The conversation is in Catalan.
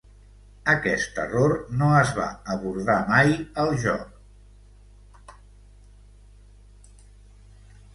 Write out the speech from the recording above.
Aquest error no es va abordar mai al joc.